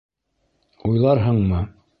УЙЛАРҺЫҢМЫ?